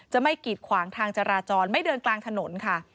ไม่กีดขวางทางจราจรไม่เดินกลางถนนค่ะ